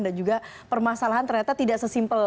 dan juga permasalahan ternyata tidak sesimpel